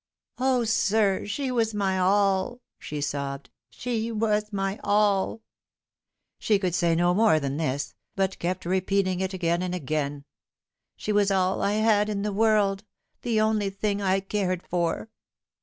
" O, sir, she was my all !" she sobbed ;" she was my all !" She could say no more than this, but kept repeating it again and again. " She was all I had in the world ; the only thing I cared for."